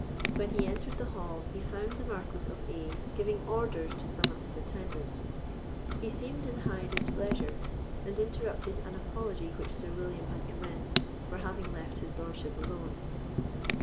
When he entered the hall, he found the Marquis of A—— giving orders to some of his attendants. He seemed in high displeasure, and interrupted an apology which Sir William had commenced for having left his lordship alone.